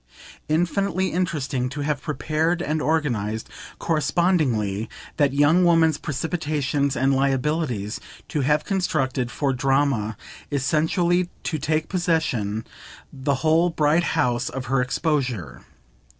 Infinitely interesting to have prepared and organised, correspondingly, that young woman's precipitations and liabilities, to have constructed, for Drama essentially to take possession, the whole bright house of her exposure.